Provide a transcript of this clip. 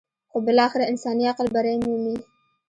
خو بالاخره انساني عقل برۍ مومي.